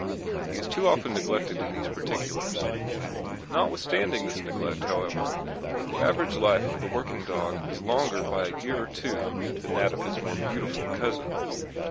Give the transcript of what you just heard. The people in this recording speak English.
He is too often neglected in these particulars. Notwithstanding this neglect, however, the average life of the working dog is longer by a year or two than that of his more beautiful cousin.